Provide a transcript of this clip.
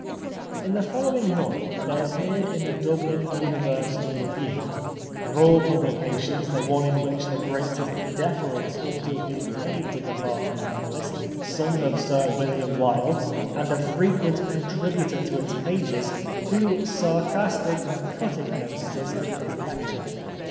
" In the following month there appeared in The Dublin University Review, of all pubhcations the one in which the greatest deference ought to have been paid to 261 The Life of Oscar Wilde the Berkeley Medallist, son of Sir William Wilde, and a frequent contributor to its pages, two sarcastic and cutting notices of his lecture.